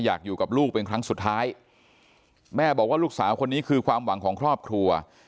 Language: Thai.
อยากอยู่กับลูกเป็นครั้งสุดท้ายแม่บอกว่าลูกสาวคนนี้คือความหวังของครอบครัว